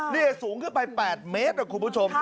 นี่สูงขึ้นไป๘เมตรนะคุณผู้ชม